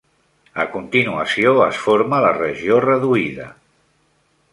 A continuació es forma la regió reduïda.